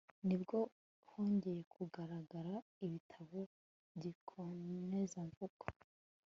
nibwo hongeye kugaragara ibitabo by'ikibonezamvugo